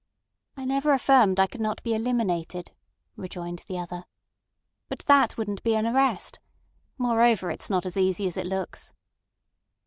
"I never affirmed I could not be eliminated," rejoined the other. "But that wouldn't be an arrest. Moreover, it's not so easy as it looks."